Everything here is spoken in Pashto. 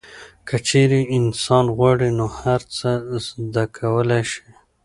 که چیرې انسان غواړي نو هر څه زده کولی شي.